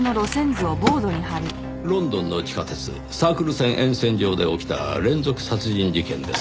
ロンドンの地下鉄サークル線沿線上で起きた連続殺人事件です。